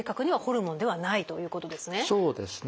そうですね。